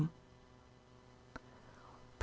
PROP.